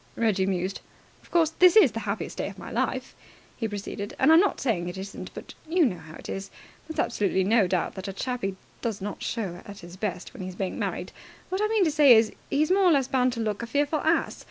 Reggie mused. "Of course, this is the happiest day of my life," he proceeded, "and I'm not saying it isn't, but you know how it is there's absolutely no doubt that a chappie does not show at his best when he's being married. What I mean to say is, he's more or less bound to look a fearful ass.